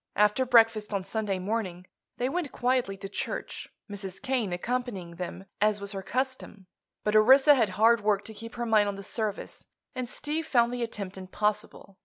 After breakfast on Sunday morning they went quietly to church, Mrs. Kane accompanying them, as was her custom. But Orissa had hard work to keep her mind on the service and Steve found the attempt impossible.